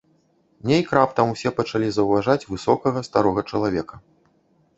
Нейк раптам усе пачалі заўважаць высокага старога чалавека.